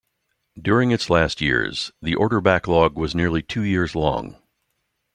During its last years, the order backlog was nearly two years long.